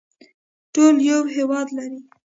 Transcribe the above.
ټول یو هیواد لري